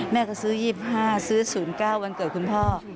แม่ก็ซื้อ๒๕ซื้อ๐๙วันเกิดคุณพ่อ